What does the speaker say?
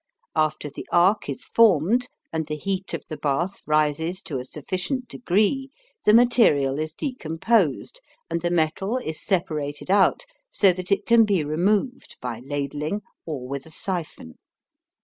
After the arc is formed and the heat of the bath rises to a sufficient degree the material is decomposed and the metal is separated out so that it can be removed by ladling or with a siphon.